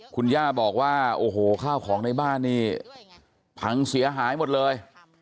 คุณย่าบอกว่าโอ้โหข้าวของในบ้านนี่พังเสียหายหมดเลย